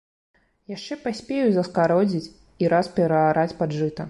Яшчэ паспею заскародзіць і раз пераараць пад жыта.